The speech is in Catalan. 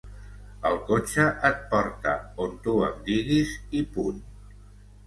El cotxe et porta on tu em diguis, i punt.